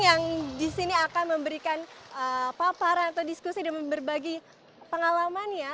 yang disini akan memberikan paparan atau diskusi dan berbagi pengalamannya